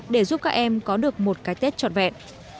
để giúp các em có được một cái tết trọn vẹn